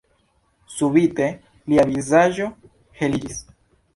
Subite lia vizaĝo heliĝis.